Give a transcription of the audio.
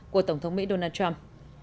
của tổng thống mỹ donald trump